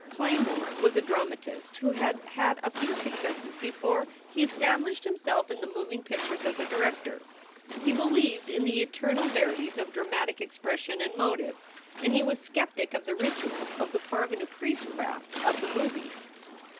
Claymore was a dramatist who had had a few successes before he established himself in the moving pictures as a director. He believed in the eternal verities of dramatic expression and motive, and he was skeptic of the rituals of the parvenu priestcraft of the movies.